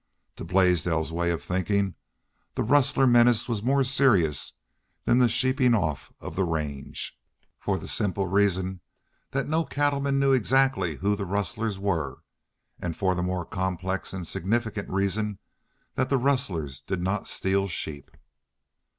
To Blaisdell's way of thinking the rustler menace was more serious than the sheeping off of the range, for the simple reason that no cattleman knew exactly who the rustlers were and for the more complex and significant reason that the rustlers did not steal sheep.